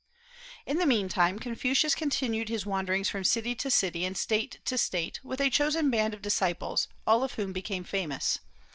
In the meantime Confucius continued his wanderings from city to city and State to State, with a chosen band of disciples, all of whom became famous.